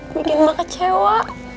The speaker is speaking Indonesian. bikin emak kecewa